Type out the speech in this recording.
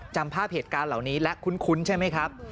จำภาพเหตุการณ์เหล่านี้และคุ้นใช่ไหมครับ